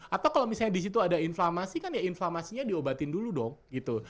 atau kalau misalnya di situ ada inflamasi kan ya inflamasinya diobatin dulu dong gitu